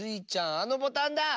あのボタンだ！